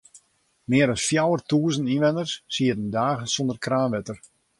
Mear as fjouwertûzen ynwenners sieten dagen sûnder kraanwetter.